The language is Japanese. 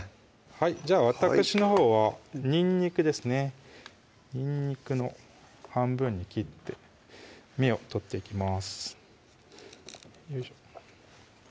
じゃあわたくしのほうはにんにくですねにんにくを半分に切って芽を取っていきます